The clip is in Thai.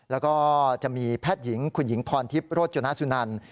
แล้วก็จะมีแพทย์หญิงคุณหญิงพรทิพย์โรจนสุนัน